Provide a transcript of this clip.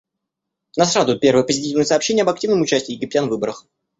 Нас радуют первые позитивные сообщения об активном участии египтян в выборах.